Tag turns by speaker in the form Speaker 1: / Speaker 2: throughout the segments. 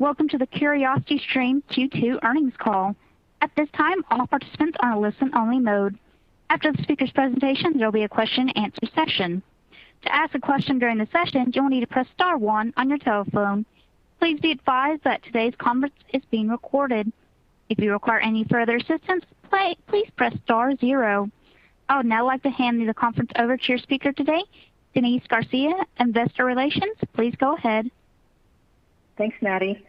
Speaker 1: Welcome to the CuriosityStream Q2 earnings call. I would now like to hand the conference over to your speaker today, Denise Garcia, Investor Relations. Please go ahead.
Speaker 2: Thanks, Maddie.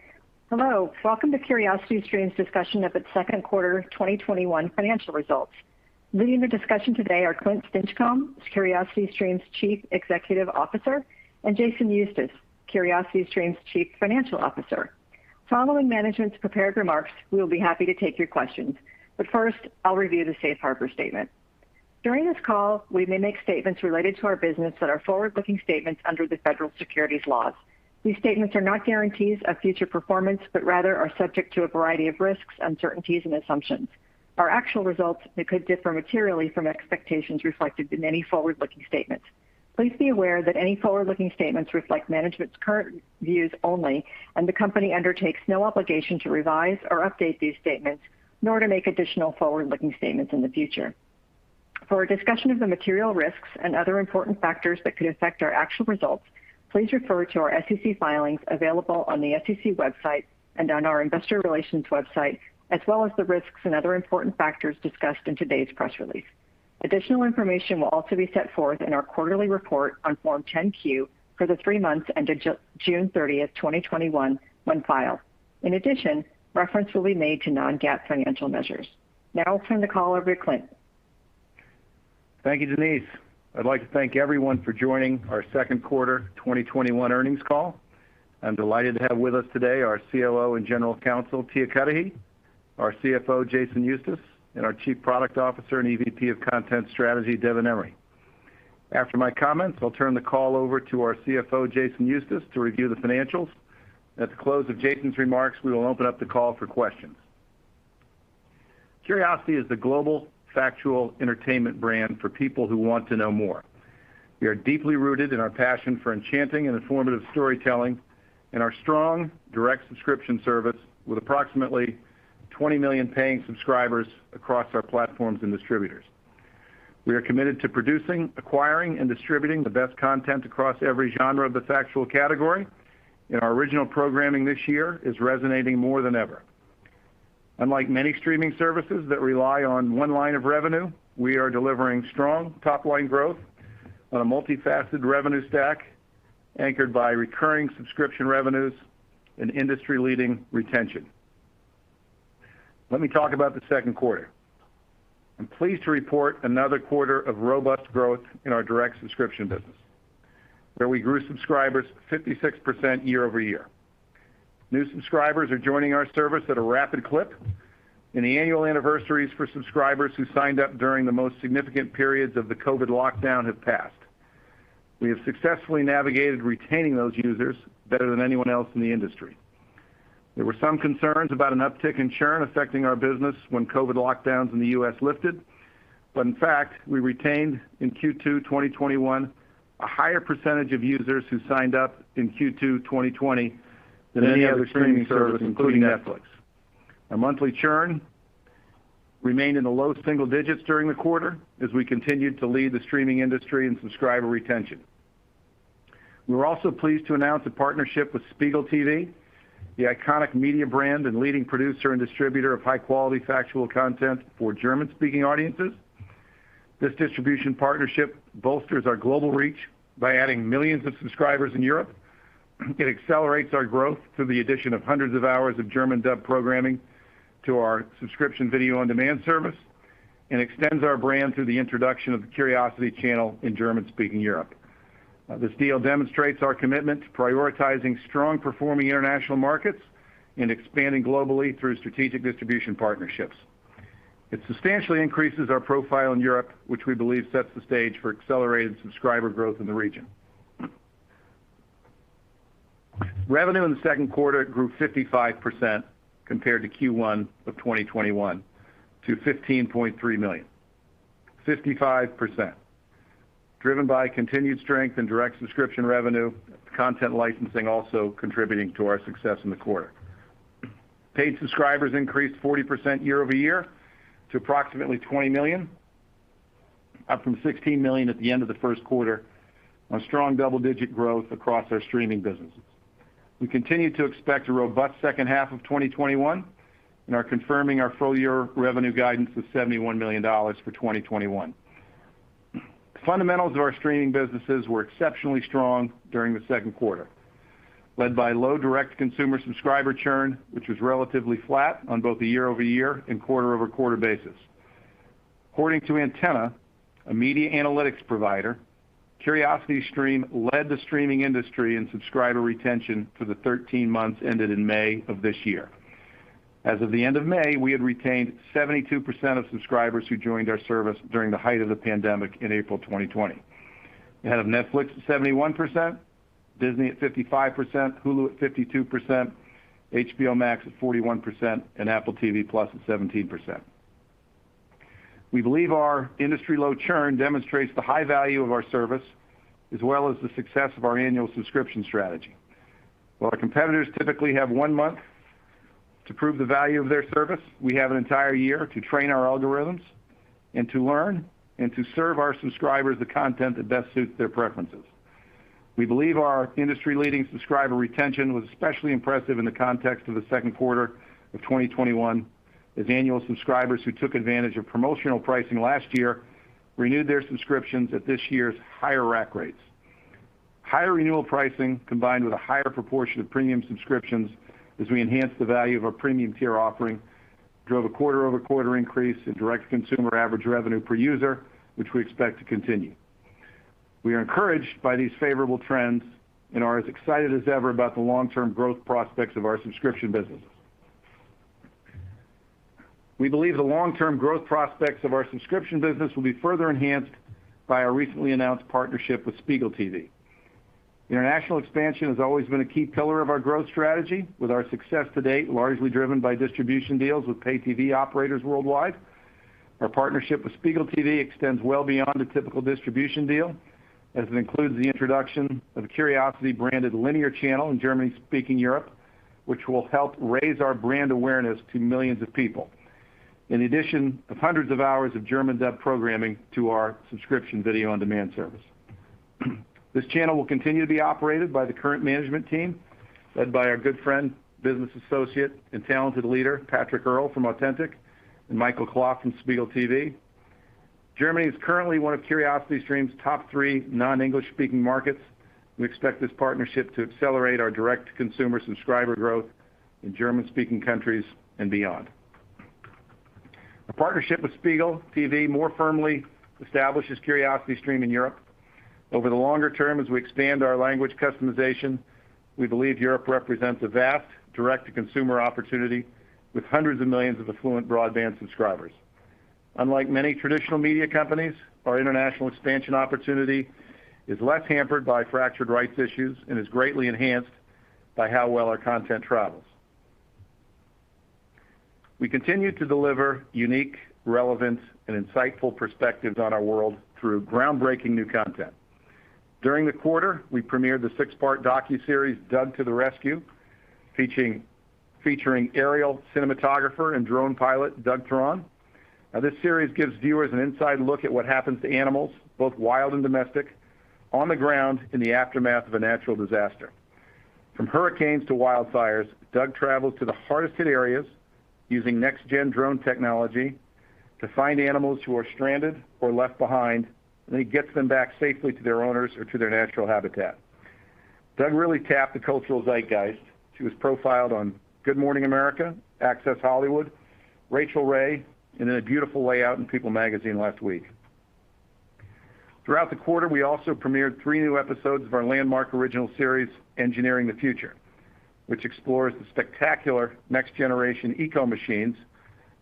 Speaker 2: Hello. Welcome to CuriosityStream's discussion of its second quarter 2021 financial results. Leading the discussion today are Clint Stinchcomb, CuriosityStream's Chief Executive Officer, and Jason Eustace, CuriosityStream's Chief Financial Officer. Following management's prepared remarks, we will be happy to take your questions. First, I'll review the safe harbor statement. During this call, we may make statements related to our business that are forward-looking statements under the federal securities laws. These statements are not guarantees of future performance, but rather are subject to a variety of risks, uncertainties, and assumptions. Our actual results may could differ materially from expectations reflected in any forward-looking statements. Please be aware that any forward-looking statements reflect management's current views only, and the company undertakes no obligation to revise or update these statements, nor to make additional forward-looking statements in the future. For a discussion of the material risks and other important factors that could affect our actual results, please refer to our SEC filings available on the SEC website and on our investor relations website, as well as the risks and other important factors discussed in today's press release. Additional information will also be set forth in our quarterly report on Form 10-Q for the three months ended June 30th, 2021, when filed. In addition, reference will be made to non-GAAP financial measures. Now I'll turn the call over to Clint.
Speaker 3: Thank you, Denise. I'd like to thank everyone for joining our second quarter 2021 earnings call. I'm delighted to have with us today our COO and General Counsel, Tia Cudahy, our CFO, Jason Eustace, and our Chief Product Officer and EVP of Content Strategy, Devin Emery. After my comments, I'll turn the call over to our CFO, Jason Eustace, to review the financials. At the close of Jason's remarks, we will open up the call for questions. Curiosity is the global factual entertainment brand for people who want to know more. We are deeply rooted in our passion for enchanting and informative storytelling and our strong direct subscription service with approximately 20 million paying subscribers across our platforms and distributors. Our original programming this year is resonating more than ever. Unlike many streaming services that rely on one line of revenue, we are delivering strong top-line growth on a multifaceted revenue stack anchored by recurring subscription revenues and industry-leading retention. Let me talk about the second quarter. I'm pleased to report another quarter of robust growth in our direct subscription business, where we grew subscribers 56% year-over-year. New subscribers are joining our service at a rapid clip, and the annual anniversaries for subscribers who signed up during the most significant periods of the COVID lockdown have passed. We have successfully navigated retaining those users better than anyone else in the industry. There were some concerns about an uptick in churn affecting our business when COVID lockdowns in the U.S. lifted. In fact, we retained in Q2 2021 a higher percentage of users who signed up in Q2 2020 than any other streaming service, including Netflix. Our monthly churn remained in the low single digits during the quarter as we continued to lead the streaming industry in subscriber retention. We were also pleased to announce a partnership with Spiegel TV, the iconic media brand and leading producer and distributor of high-quality factual content for German-speaking audiences. This distribution partnership bolsters our global reach by adding millions of subscribers in Europe. It accelerates our growth through the addition of hundreds of hours of German dub programming to our subscription video on-demand service and extends our brand through the introduction of the Curiosity Channel in German-speaking Europe. This deal demonstrates our commitment to prioritizing strong-performing international markets and expanding globally through strategic distribution partnerships. It substantially increases our profile in Europe, which we believe sets the stage for accelerated subscriber growth in the region. Revenue in the second quarter grew 55% compared to Q1 2021 to $15.3 million. 55% driven by continued strength in direct subscription revenue, content licensing also contributing to our success in the quarter. Paid subscribers increased 40% year-over-year to approximately 20 million, up from 16 million at the end of the first quarter on strong double-digit growth across our streaming businesses. We continue to expect a robust second half of 2021 and are confirming our full-year revenue guidance of $71 million for 2021. Fundamentals of our streaming businesses were exceptionally strong during the second quarter, led by low direct consumer subscriber churn, which was relatively flat on both a year-over-year and quarter-over-quarter basis. According to Antenna, a media analytics provider, CuriosityStream led the streaming industry in subscriber retention for the 13 months ended in May of this year. As of the end of May, we had retained 72% of subscribers who joined our service during the height of the pandemic in April 2020, ahead of Netflix at 71%, Disney at 55%, Hulu at 52%, HBO Max at 41%, and Apple TV+ at 17%. We believe our industry-low churn demonstrates the high value of our service, as well as the success of our annual subscription strategy. While our competitors typically have one month to prove the value of their service, we have an entire year to train our algorithms and to learn and to serve our subscribers the content that best suits their preferences. We believe our industry-leading subscriber retention was especially impressive in the context of the second quarter of 2021, as annual subscribers who took advantage of promotional pricing last year renewed their subscriptions at this year's higher rack rates. Higher renewal pricing, combined with a higher proportion of premium subscriptions as we enhanced the value of our premium tier offering, drove a quarter-over-quarter increase in direct-to-consumer average revenue per user, which we expect to continue. We are encouraged by these favorable trends and are as excited as ever about the long-term growth prospects of our subscription businesses. We believe the long-term growth prospects of our subscription business will be further enhanced by our recently announced partnership with Spiegel TV. International expansion has always been a key pillar of our growth strategy. With our success to date largely driven by distribution deals with pay TV operators worldwide, our partnership with Spiegel TV extends well beyond a typical distribution deal, as it includes the introduction of a Curiosity-branded linear channel in German-speaking Europe, which will help raise our brand awareness to millions of people. In addition, of hundreds of hours of German dub programming to our subscription video on-demand service. This channel will continue to be operated by the current management team, led by our good friend, business associate, and talented leader, Patrick Hörl from Autentic and Michael Kloft from Spiegel TV. Germany is currently one of CuriosityStream's top three non-English-speaking markets. We expect this partnership to accelerate our direct-to-consumer subscriber growth in German-speaking countries and beyond. The partnership with Spiegel TV more firmly establishes CuriosityStream in Europe. Over the longer term, as we expand our language customization, we believe Europe represents a vast direct-to-consumer opportunity with hundreds of millions of affluent broadband subscribers. Unlike many traditional media companies, our international expansion opportunity is less hampered by fractured rights issues and is greatly enhanced by how well our content travels. We continue to deliver unique, relevant, and insightful perspectives on our world through groundbreaking new content. During the quarter, we premiered the six-part docuseries, "Doug to the Rescue," featuring aerial cinematographer and drone pilot Doug Thron. Now, this series gives viewers an inside look at what happens to animals, both wild and domestic, on the ground in the aftermath of a natural disaster. From hurricanes to wildfires, Doug travels to the hardest hit areas using next-gen drone technology to find animals who are stranded or left behind, and he gets them back safely to their owners or to their natural habitat. Doug really tapped the cultural zeitgeist. He was profiled on "Good Morning America," "Access Hollywood," "Rachael Ray," and in a beautiful layout in "People" magazine last week. Throughout the quarter, we also premiered three new episodes of our landmark original series, "Engineering the Future," which explores the spectacular next-generation eco-machines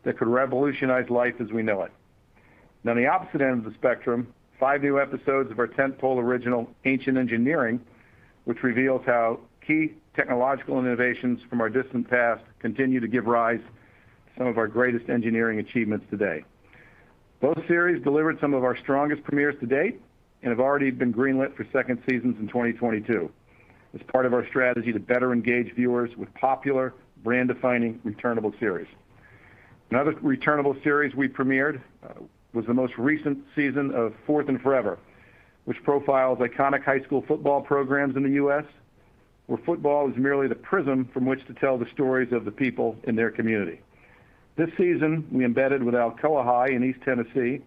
Speaker 3: that could revolutionize life as we know it. Now, on the opposite end of the spectrum, five new episodes of our tentpole original, "Ancient Engineering," which reveals how key technological innovations from our distant past continue to give rise to some of our greatest engineering achievements today. Both series delivered some of our strongest premieres to date and have already been greenlit for second seasons in 2022 as part of our strategy to better engage viewers with popular brand-defining returnable series. Another returnable series we premiered was the most recent season of "4th and Forever," which profiles iconic high school football programs in the U.S., where football is merely the prism from which to tell the stories of the people in their community. This season, we embedded with Alcoa High in East Tennessee,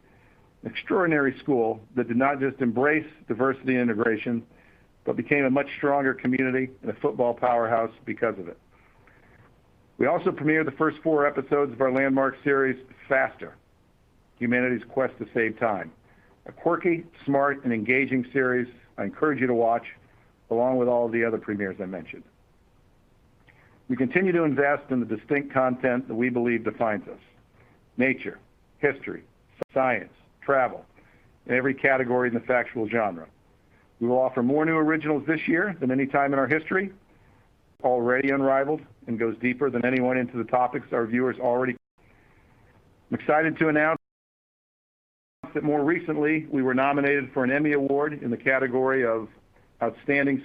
Speaker 3: an extraordinary school that did not just embrace diversity integration, but became a much stronger community and a football powerhouse because of it. We also premiered the first four episodes of our landmark series, "FASTER! Humanity's Quest to Save Time," a quirky, smart, and engaging series I encourage you to watch, along with all of the other premieres I mentioned. We continue to invest in the distinct content that we believe defines us. Nature, history, science, travel, and every category in the factual genre. We will offer more new originals this year than any time in our history, already unrivaled, and goes deeper than anyone into the topics our viewers already care about. I'm excited to announce that more recently, we were nominated for an Emmy Award in the category of outstanding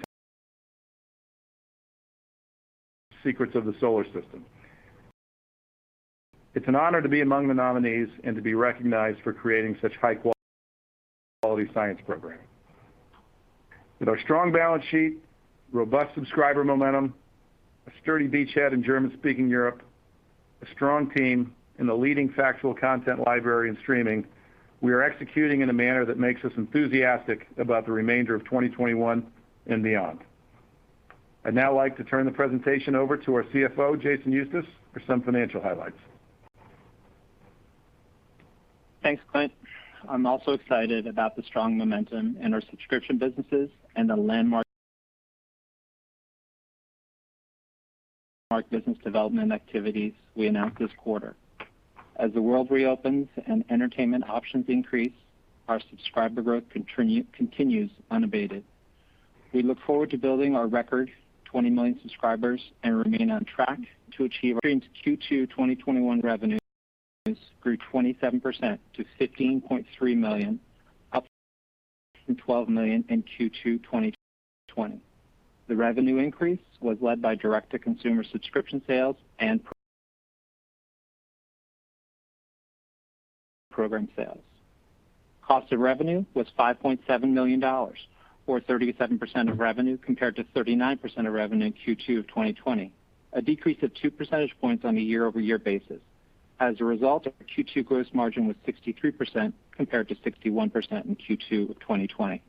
Speaker 3: "Secrets of the Solar System." It's an honor to be among the nominees and to be recognized for creating such high-quality science programming. With our strong balance sheet, robust subscriber momentum, a sturdy beachhead in German-speaking Europe, a strong team in the leading factual content library and streaming, we are executing in a manner that makes us enthusiastic about the remainder of 2021 and beyond. I'd now like to turn the presentation over to our CFO, Jason Eustace, for some financial highlights.
Speaker 4: Thanks, Clint. I'm also excited about the strong momentum in our subscription businesses and the landmark business development activities we announced this quarter. As the world reopens and entertainment options increase, our subscriber growth continues unabated. We look forward to building our record, 20 million subscribers. Q2 2021 revenue grew 27% to $15.3 million, up from $12 million in Q2 2020. The revenue increase was led by direct-to-consumer subscription sales and program sales. Cost of revenue was $5.7 million, or 37% of revenue, compared to 39% of revenue in Q2 of 2020, a decrease of 2 percentage points on a year-over-year basis. As a result, our Q2 gross margin was 63% compared to 61% in Q2 of 2020.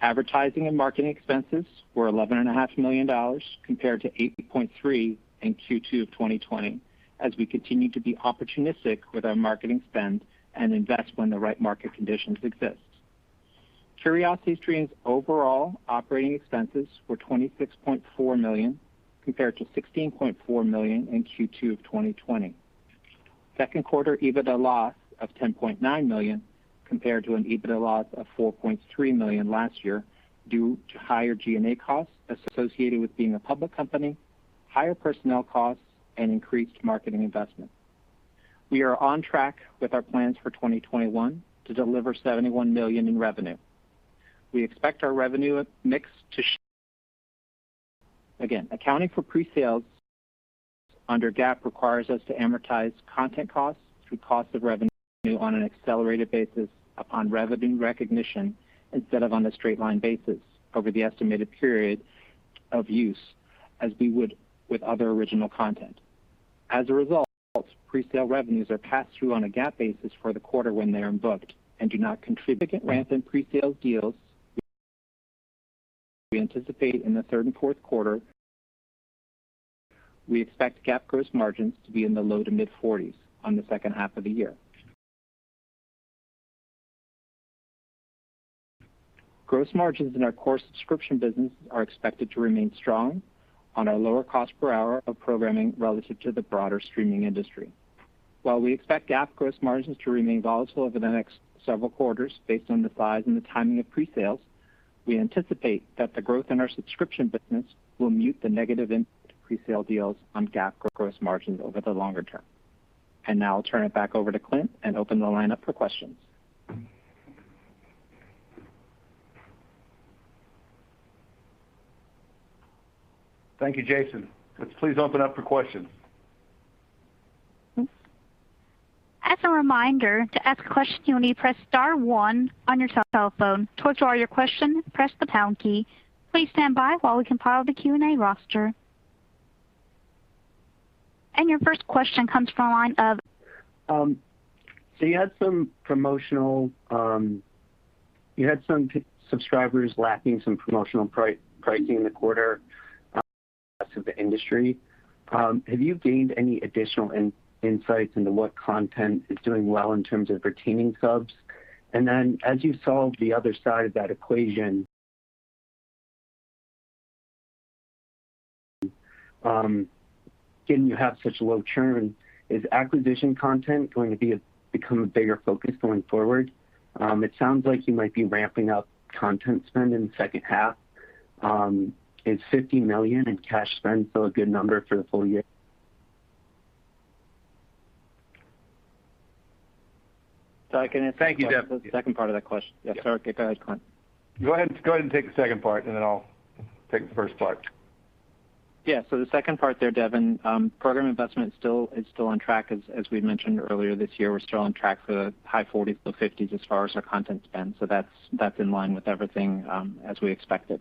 Speaker 4: Advertising and marketing expenses were $11.5 million, compared to $8.3 million in Q2 of 2020, as we continue to be opportunistic with our marketing spend and invest when the right market conditions exist. CuriosityStream's overall operating expenses were $26.4 million, compared to $16.4 million in Q2 of 2020. Second quarter EBITDA loss of $10.9 million, compared to an EBITDA loss of $4.3 million last year, due to higher G&A costs associated with being a public company, higher personnel costs, and increased marketing investment. We are on track with our plans for 2021 to deliver $71 million in revenue. We expect our revenue mix, again, accounting for pre-sales under GAAP requires us to amortize content costs through cost of revenue on an accelerated basis upon revenue recognition instead of on a straight line basis over the estimated period of use as we would with other original content. As a result, pre-sale revenues are passed through on a GAAP basis for the quarter when they are booked and do not contribute. Significant ramp in pre-sale deals we anticipate in the third and fourth quarter. We expect GAAP gross margins to be in the low to mid-40s on the second half of the year. Gross margins in our core subscription business are expected to remain strong on our lower cost per hour of programming relative to the broader streaming industry. While we expect GAAP gross margins to remain volatile over the next several quarters based on the size and the timing of pre-sales, we anticipate that the growth in our subscription business will mute the negative impact of pre-sale deals on GAAP gross margins over the longer term. Now I'll turn it back over to Clint and open the line up for questions.
Speaker 3: Thank you, Jason. Let's please open up for questions.
Speaker 1: As a reminder, to ask a question, you will need to press star one on your telephone. To withdraw your question, press the pound key. Please stand by while we compile the Q&A roster. Your first question comes from the line of-
Speaker 5: You had some subscribers lapsing some promotional pricing in the quarter of the industry. Have you gained any additional insights into what content is doing well in terms of retaining subs? As you solve the other side of that equation, given you have such low churn, is acquisition content going to become a bigger focus going forward? It sounds like you might be ramping up content spend in the second half. Is $50 million in cash spend still a good number for the full year?
Speaker 4: So I can answer-
Speaker 3: Thank you, Dan.
Speaker 4: The second part of that question. Yeah. Sorry. Go ahead, Clint.
Speaker 3: Go ahead and take the second part, and then I'll take the first part.
Speaker 4: The second part there, Dan, program investment is still on track. As we mentioned earlier this year, we're still on track for the high 40s to the 50s as far as our content spend. That's in line with everything as we expected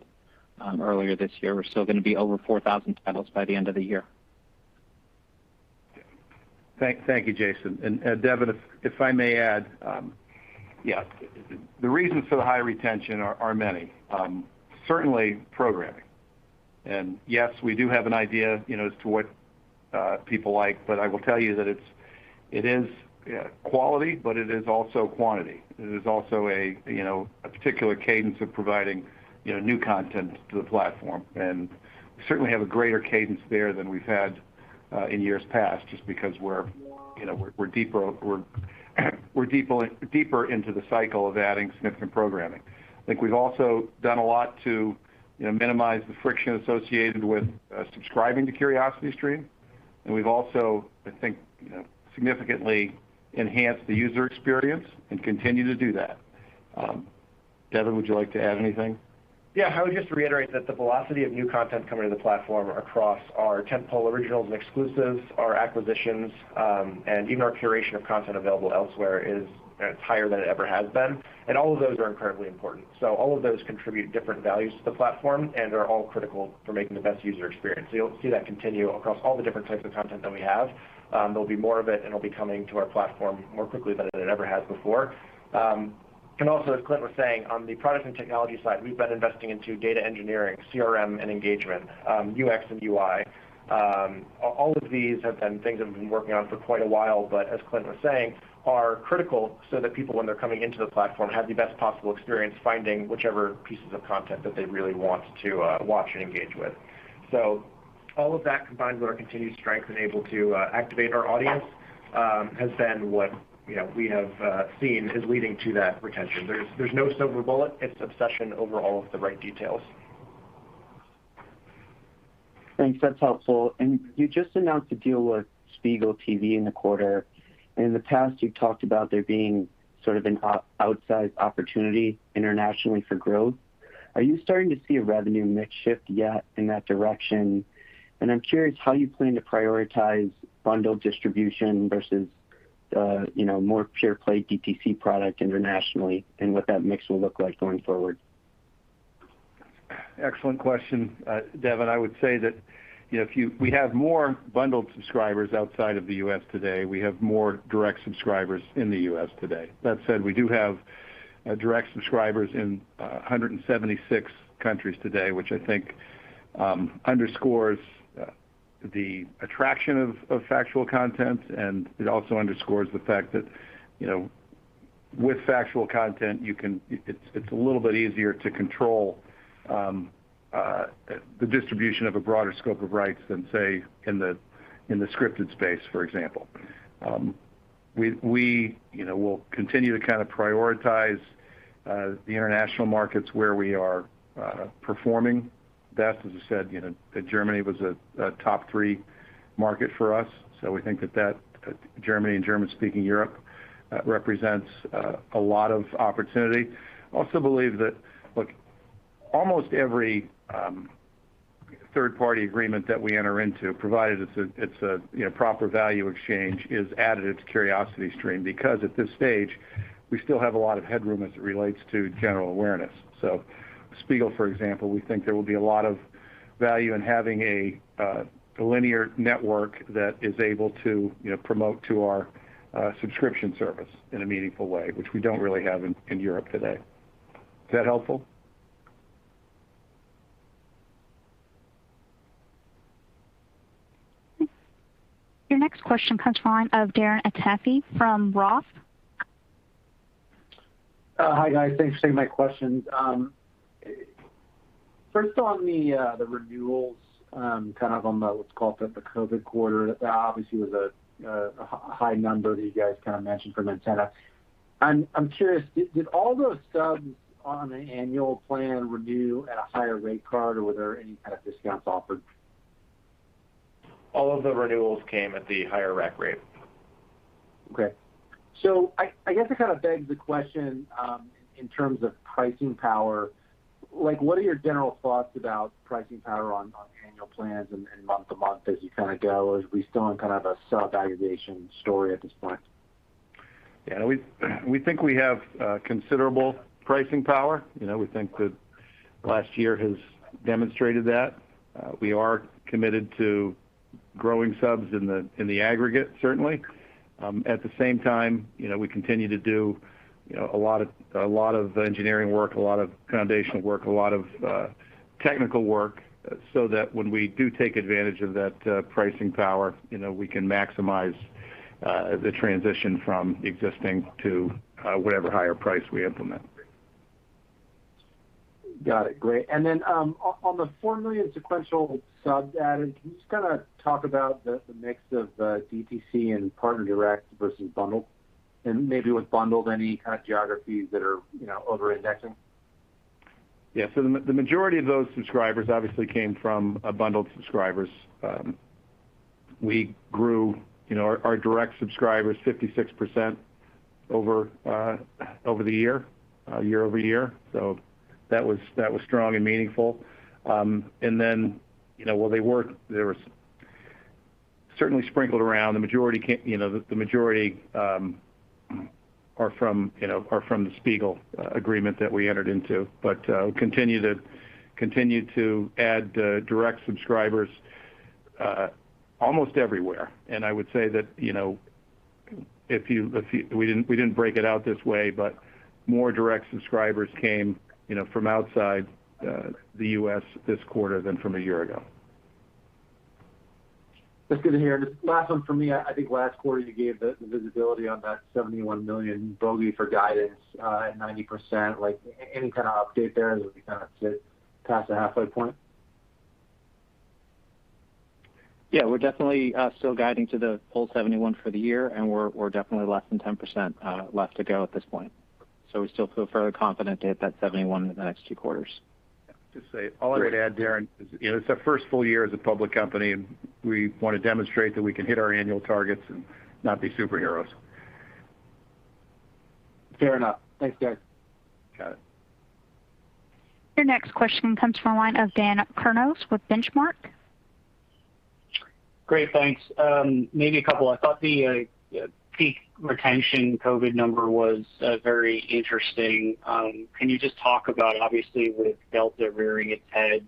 Speaker 4: earlier this year. We're still going to be over 4,000 titles by the end of the year.
Speaker 3: Thank you, Jason. Dan, if I may add, the reasons for the high retention are many. Certainly programming. Yes, we do have an idea as to what people like, but I will tell you that it is quality, but it is also quantity. It is also a particular cadence of providing new content to the platform. We certainly have a greater cadence there than we've had in years past, just because we're deeper into the cycle of adding significant programming. I think we've also done a lot to minimize the friction associated with subscribing to CuriosityStream. We've also, I think, significantly enhanced the user experience and continue to do that. Devin, would you like to add anything?
Speaker 6: I would just reiterate that the velocity of new content coming to the platform across our tentpole originals and exclusives, our acquisitions, and even our curation of content available elsewhere is higher than it ever has been. All of those are incredibly important. All of those contribute different values to the platform and are all critical for making the best user experience. You'll see that continue across all the different types of content that we have. There'll be more of it, and it'll be coming to our platform more quickly than it ever has before. Also, as Clint was saying, on the product and technology side, we've been investing into data engineering, CRM and engagement, UX and UI. All of these have been things that we've been working on for quite a while, but as Clint was saying, are critical so that people, when they're coming into the platform, have the best possible experience finding whichever pieces of content that they really want to watch and engage with. All of that combined with our continued strength and able to activate our audience has been what we have seen is leading to that retention. There is no silver bullet. It is obsession over all of the right details.
Speaker 5: Thanks. That's helpful. You just announced a deal with Spiegel TV in the quarter, and in the past, you've talked about there being sort of an outsized opportunity internationally for growth. Are you starting to see a revenue mix shift yet in that direction? I'm curious how you plan to prioritize bundled distribution versus more pure-play DTC product internationally and what that mix will look like going forward.
Speaker 3: Excellent question, Dan. I would say that if we have more bundled subscribers outside of the U.S. today, we have more direct subscribers in the U.S. today. That said, we do have direct subscribers in 176 countries today, which I think underscores the attraction of factual content. It also underscores the fact that with factual content, it's a little bit easier to control the distribution of a broader scope of rights than, say, in the scripted space, for example. We'll continue to prioritize the international markets where we are performing best. As I said, Germany was a top three market for us. We think that Germany and German-speaking Europe represents a lot of opportunity. I also believe that, look, almost every third-party agreement that we enter into, provided it's a proper value exchange, is added to CuriosityStream because, at this stage, we still have a lot of headroom as it relates to general awareness. Spiegel, for example, we think there will be a lot of value in having a linear network that is able to promote to our subscription service in a meaningful way, which we don't really have in Europe today. Is that helpful?
Speaker 1: Your next question comes from the line of Darren Aftahi from ROTH.
Speaker 7: Hi, guys. Thanks for taking my questions. First, on the renewals, on the, let's call it the COVID quarter, that obviously was a high number that you guys mentioned from Antenna. I'm curious, did all those subs on an annual plan renew at a higher rate card, or were there any kind of discounts offered?
Speaker 3: All of the renewals came at the higher rack rate.
Speaker 7: Okay. I guess it begs the question in terms of pricing power, what are your general thoughts about pricing power on annual plans and month to month as you go? Are we still in a sub-aggregation story at this point?
Speaker 3: Yeah. We think we have considerable pricing power. We think that last year has demonstrated that. We are committed to growing subs in the aggregate, certainly. At the same time, we continue to do a lot of engineering work, a lot of foundational work, a lot of technical work so that when we do take advantage of that pricing power, we can maximize the transition from existing to whatever higher price we implement.
Speaker 7: Got it. Great. On the 4 million sequential sub adds, can you just talk about the mix of DTC and partner direct versus bundled? Maybe with bundled, any kind of geographies that are over-indexing?
Speaker 3: Yeah. The majority of those subscribers obviously came from bundled subscribers. We grew our direct subscribers 56% year-over-year. That was strong and meaningful. While they work, they were certainly sprinkled around. The majority are from the Spiegel agreement that we entered into, but we continue to add direct subscribers almost everywhere. I would say that we didn't break it out this way, but more direct subscribers came from outside the U.S. this quarter than from a year ago.
Speaker 7: That's good to hear. Just last one from me. I think last quarter, you gave the visibility on that $71 million bogey for guidance at 90%. Any kind of update there as we sit past the halfway point?
Speaker 4: Yeah, we're definitely still guiding to the full $71 for the year, we're definitely less than 10% left to go at this point. We still feel fairly confident to hit that $71 in the next two quarters.
Speaker 3: Just to say, all I would add, Darren, is it's our first full year as a public company, and we want to demonstrate that we can hit our annual targets and not be superheroes.
Speaker 7: Fair enough. Thanks, guys.
Speaker 3: Got it.
Speaker 1: Your next question comes from the line of Dan Kurnos with Benchmark.
Speaker 5: Great, thanks. Maybe a couple. I thought the peak retention COVID number was very interesting. Can you just talk about, obviously, with Delta rearing its head,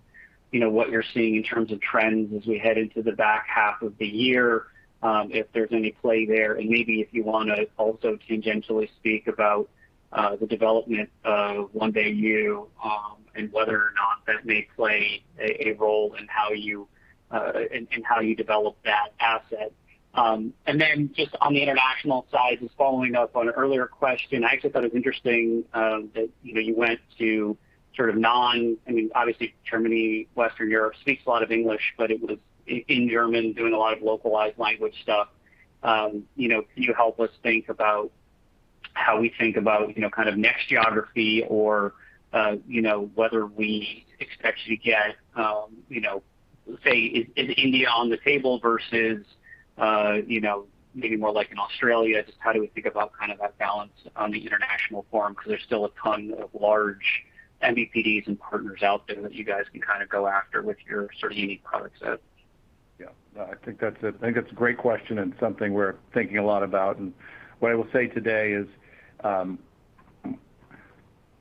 Speaker 5: what you're seeing in terms of trends as we head into the back half of the year, if there's any play there? Maybe if you want to also tangentially speak about the development of One Day University and whether or not that may play a role in how you develop that asset. Just on the international side, just following up on an earlier question, I actually thought it was interesting that you went to sort of. Obviously, Germany, Western Europe speaks a lot of English, but it was in German doing a lot of localized language stuff. Can you help us think about how we think about kind of next geography or whether we expect to get, say, is India on the table versus maybe more like an Australia? Just how do we think about that balance on the international forum? Because there is still a ton of large MVPDs and partners out there that you guys can go after with your sort of unique product set.
Speaker 3: Yeah. No, I think that's a great question and something we're thinking a lot about. What I will say today is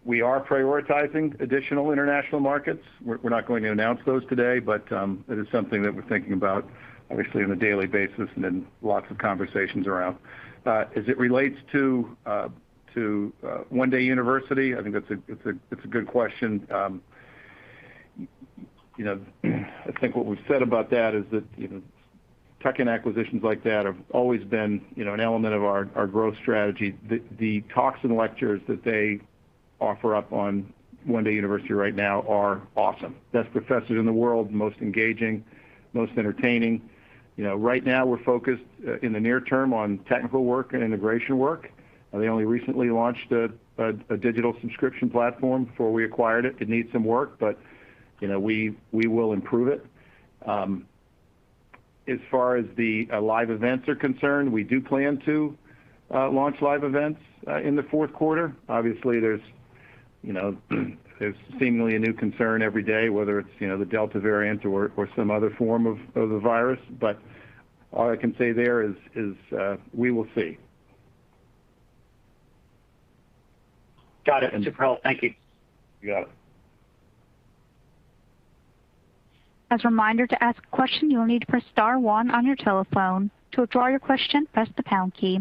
Speaker 3: we are prioritizing additional international markets. We're not going to announce those today, but it is something that we're thinking about, obviously, on a daily basis and in lots of conversations around. As it relates to One Day University, I think that's a good question. I think what we've said about that is that tuck-in acquisitions like that have always been an element of our growth strategy. The talks and lectures that they offer up on One Day University right now are awesome. Best professors in the world, most engaging, most entertaining. Right now, we're focused in the near term on technical work and integration work. They only recently launched a digital subscription platform before we acquired it. It needs some work, but we will improve it. As far as the live events are concerned, we do plan to launch live events in the fourth quarter. Obviously, there's seemingly a new concern every day, whether it's the Delta variant or some other form of the virus. All I can say there is we will see.
Speaker 5: Got it. Super helpful. Thank you.
Speaker 3: You got it.
Speaker 1: As a reminder, to ask question you'll need to press star one on your telephone. To withdraw your question, press the pound key.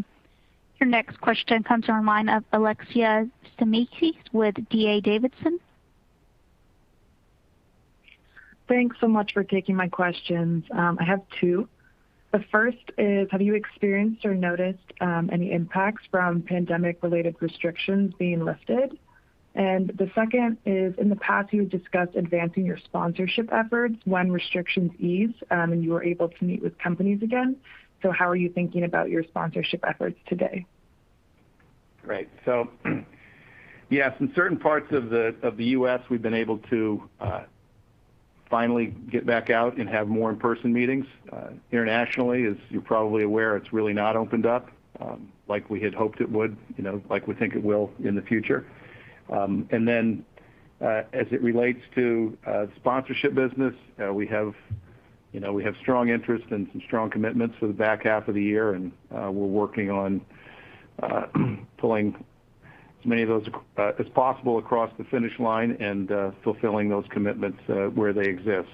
Speaker 1: Your next question comes from the line of Alexia Tsimikas with D.A. Davidson.
Speaker 8: Thanks so much for taking my questions. I have two. The first is, have you experienced or noticed any impacts from pandemic-related restrictions being lifted? The second is, in the past, you discussed advancing your sponsorship efforts when restrictions ease and you are able to meet with companies again. How are you thinking about your sponsorship efforts today?
Speaker 3: Yes, in certain parts of the U.S., we've been able to finally get back out and have more in-person meetings. Internationally, as you're probably aware, it's really not opened up like we had hoped it would, like we think it will in the future. As it relates to sponsorship business, we have strong interest and some strong commitments for the back half of the year, and we're working on pulling as many of those as possible across the finish line and fulfilling those commitments where they exist.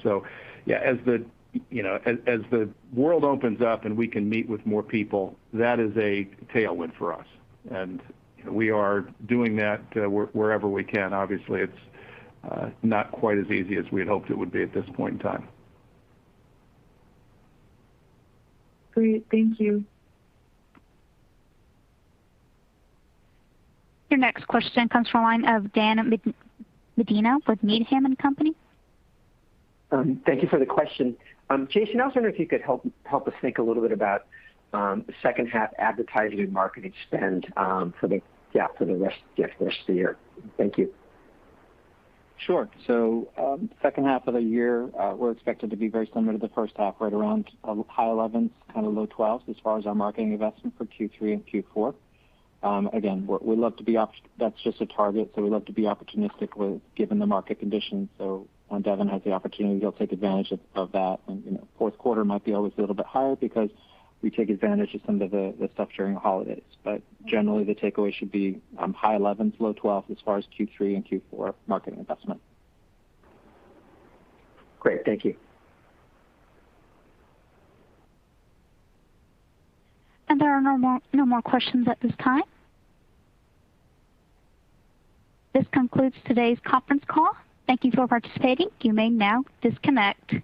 Speaker 3: Yeah, as the world opens up and we can meet with more people, that is a tailwind for us, and we are doing that wherever we can. Obviously, it's not quite as easy as we had hoped it would be at this point in time.
Speaker 8: Great. Thank you.
Speaker 1: Your next question comes from the line of Dan Medina with Needham & Company.
Speaker 9: Thank you for the question. Jason, I was wondering if you could help us think a little bit about the second half advertising and marketing spend for the rest of the year? Thank you.
Speaker 4: Sure. Second half of the year, we're expected to be very similar to the first half, right around high 11s, kind of low 12s as far as our marketing investment for Q3 and Q4. Again, that's just a target, so we love to be opportunistic with given the market conditions. When Devin has the opportunity, he'll take advantage of that. Fourth quarter might be always a little bit higher because we take advantage of some of the stuff during holidays. Generally, the takeaway should be high 11s, low 12s as far as Q3 and Q4 marketing investment.
Speaker 9: Great. Thank you.
Speaker 1: There are no more questions at this time. This concludes today's conference call. Thank you for participating. You may now disconnect.